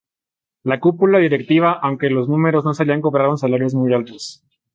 La cúpula directiva aunque los números no salían cobraron salarios muy altos.